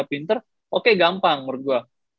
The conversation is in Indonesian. pinter oke gampang menurut gue